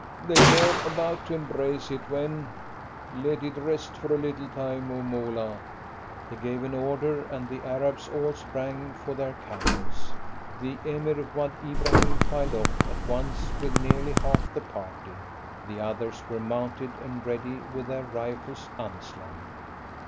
"They were about to embrace it, when "Let it rest for a little time, O Moolah." He gave an order, and the Arabs all sprang for their camels. The Emir Wad Ibrahim filed off at once with nearly half the party. The others were mounted and ready, with their rifles unslung.